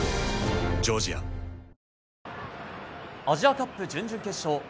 アジアカップ準々決勝。